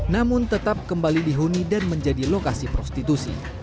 namun tetap kembali dihuni dan menjadi lokasi prostitusi